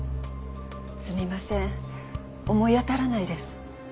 すみません思い当たらないです。